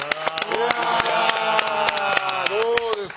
どうですか？